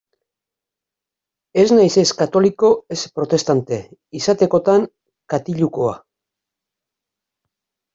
Ez naiz ez katoliko ez protestante; izatekotan katilukoa.